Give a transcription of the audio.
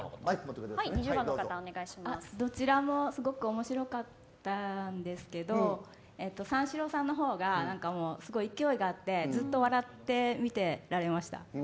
どちらもすごく面白かったんですけど三四郎さんの方がすごい勢いがあってずっと笑って見てられました。